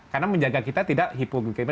karena menjaga kita tidak hipoglifin